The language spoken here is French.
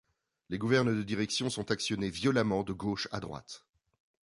Les gouvernes de direction sont actionnées violemment de gauche à droite.